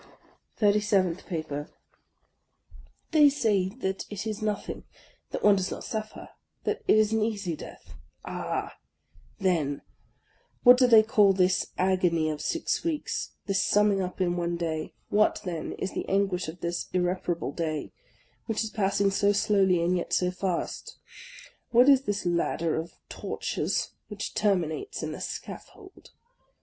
THIRTY SEVENTH PAPER THEY say that it is nothing, — that one does not suffer ; that it is an easy death. Ah! then, what do they call this agony of six weeks, — this summing up in one day? What, then, is the anguish of this irreparable day, which is passing so slowly and yet so fast? What is this ladder of tortures which terminates in the scaffold?